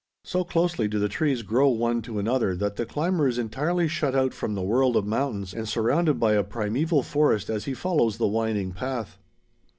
So closely do the trees grow one to another that the climber is entirely shut out from the world of mountains and surrounded by a primeval forest as he follows the winding path.